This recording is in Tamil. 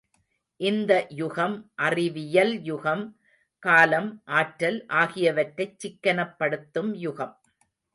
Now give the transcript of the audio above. இந்த யுகம் அறிவியல் யுகம், காலம், ஆற்றல் ஆகியவற்றைச் சிக்கனப்படுத்தும் யுகம்.